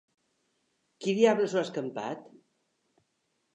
Qui diables ho ha escampat?